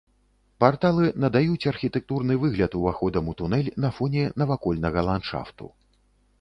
Парталы надаюць архітэктурны выгляд уваходам у тунэль на фоне навакольнага ландшафту.